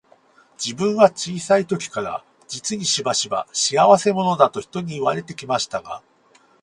自分は小さい時から、実にしばしば、仕合せ者だと人に言われて来ましたが、